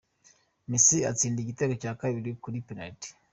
Messi atsinda igitego cya kabiri kuri penariti